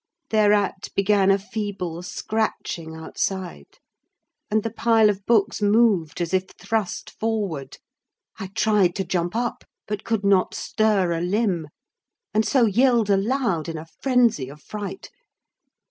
Thereat began a feeble scratching outside, and the pile of books moved as if thrust forward. I tried to jump up; but could not stir a limb; and so yelled aloud, in a frenzy of fright.